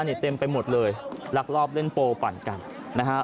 นี่เต็มไปหมดเลยลักลอบเล่นโปปั่นกันนะฮะ